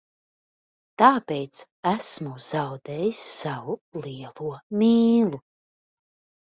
Tāpēc esmu zaudējis savu lielo mīlu.